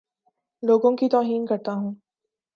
لوگوں کی توہین کرتا ہوں